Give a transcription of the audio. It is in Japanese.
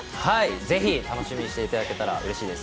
ぜひ楽しみにしていただけたらうれしいです。